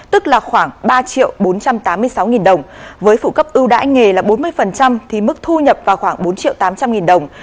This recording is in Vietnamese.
tức là khoảng ba bốn trăm tám mươi sáu đồng với phụ cấp ưu đãi nghề là bốn mươi thì mức thu nhập vào khoảng bốn tám trăm linh đồng